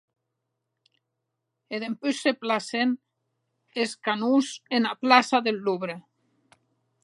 E dempús se placen es canons ena plaça deth Louvre.